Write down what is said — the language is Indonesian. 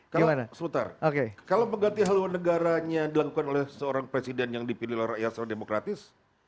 kalau mengganti haluan negaranya dilakukan oleh seorang presiden yang dipilih oleh rakyat seorang demokratis